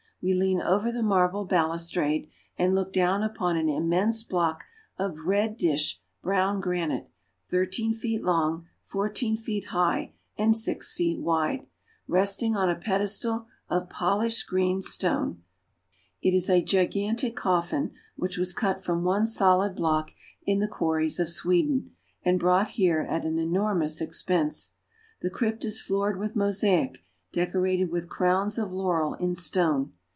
We lean over the marble bal ustrade and look down upon an im mense block of red dish brown granite thirteen feet long, fourteen feet high, and six feet wide, resting on a pedestal of polished green stone. It is a gigantic coffin which was cut from one solid block in the quarries of Sweden, and brought here at an enormous expense. The crypt is floored with mosaic, deco rated with crowns of laurel in stone.